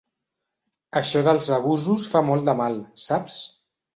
Això dels abusos fa molt de mal, saps?